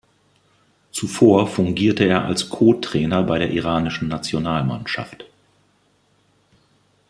Zuvor fungierte er als Co-Trainer bei der iranischen Nationalmannschaft.